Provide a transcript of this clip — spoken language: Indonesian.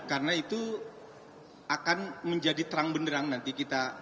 karena itu akan menjadi terang benerang nanti kita